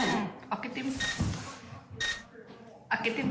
開けてみて。